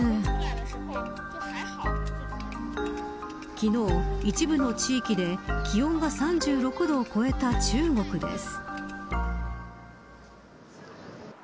昨日、一部の地域で気温が３６度を超えた中国です。